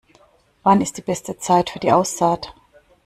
Wann ist die beste Zeit für die Aussaht?